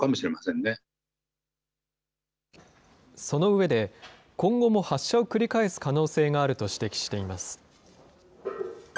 その上で、今後も発射を繰り返す可能性があると指摘しています。